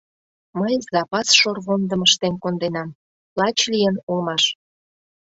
— Мый запас шорвондым ыштен конденам, лач лийын улмаш.